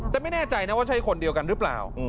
แต่ไม่แน่ใจนะว่าใช่คนเดียวกันหรือเปล่า